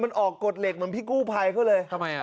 มันออกกดเหล็กเหมือนพี่กู้ไพเขาเลย